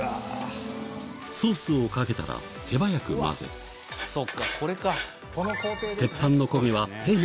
ソースをかけたら手早く混ぜそっかこれか。